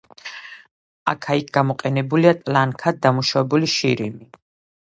აქა-იქ გამოყენებულია ტლანქად დამუშავებული შირიმი.